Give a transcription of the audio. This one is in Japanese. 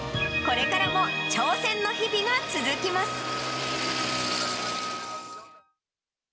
これからも挑戦の日々が続きます。